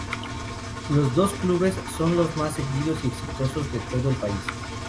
Los dos clubes son los más seguidos y exitosos de todo el país.